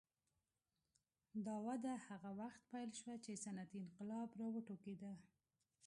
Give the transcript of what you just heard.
دا وده هغه وخت پیل شوه چې صنعتي انقلاب راوټوکېد.